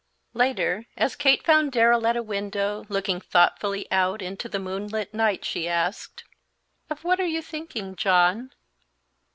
Later, as Kate found Darrell at a window, looking thoughtfully out into the moonlit night, she asked, "Of what are you thinking, John?"